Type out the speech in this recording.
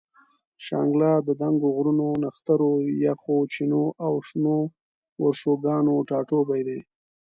شانګله د دنګو غرونو، نخترو، یخو چینو او شنو ورشوګانو ټاټوبے دے